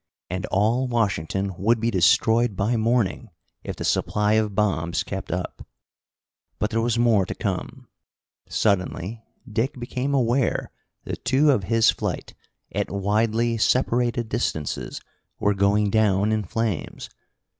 And all Washington would be destroyed by morning, if the supply of bombs kept up. But there was more to come. Suddenly Dick became aware that two of his flight, at widely separated distances, were going down in flames.